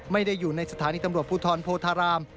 ไม่ได้อยู่ในสถานีตำรวจภูทรโพธาราม